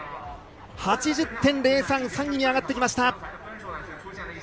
８０．０３で３位に上がってきました。